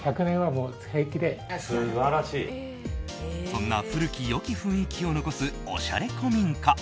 そんな古き良き雰囲気を残すおしゃれ古民家。